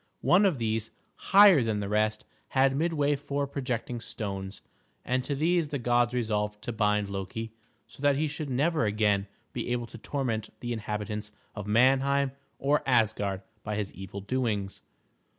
One of these, higher than the rest, had midway four projecting stones, and to these the gods resolved to bind Loki so that he should never again be able to torment the inhabitants of Manheim or Asgard by his evil doings.